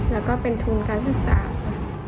แล้วก็เป็นทุนการศึกษาค่ะ